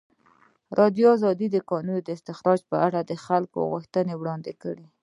ازادي راډیو د د کانونو استخراج لپاره د خلکو غوښتنې وړاندې کړي.